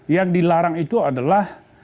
yang dilarang itu adalah